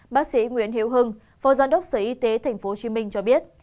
bác sĩ nguyễn hiếu hưng phó giám đốc sở y tế tp hcm cho biết